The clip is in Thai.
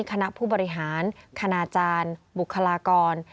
คณะผู้บริหารคณาจารย์บุคลากร